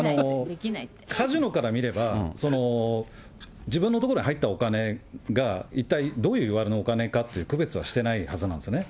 カジノから見れば、自分のところに入ったお金が、一体、どういういわれのお金かっていう区別はしてないはずなんですね。